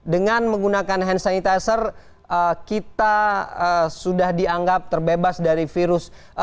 dengan menggunakan hand sanitizer kita sudah dianggap terbebas dari virus